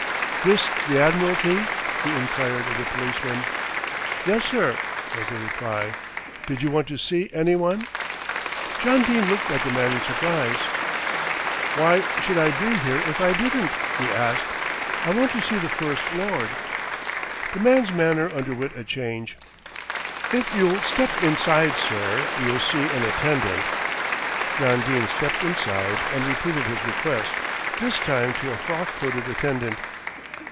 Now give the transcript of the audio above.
"This the Admiralty?" he enquired of the policeman. "Yes, sir," was the reply. "Did you want to see any one?" John Dene looked at the man in surprise. "Why should I be here if I didn't?" he asked. "I want to see the First Lord." The man's manner underwent a change. "If you'll step inside, sir, you'll see an attendant." John Dene stepped inside and repeated his request, this time to a frock coated attendant.